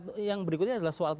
nah yang berikutnya adalah soal